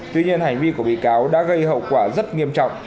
tuy nhiên hành vi của bị cáo đã gây hậu quả rất nghiêm trọng